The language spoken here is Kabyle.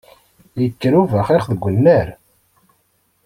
Yekker ubaxix deg unnar!